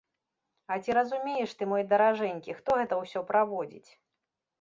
А ці разумееш ты, мой даражэнькі, хто гэта ўсё праводзіць?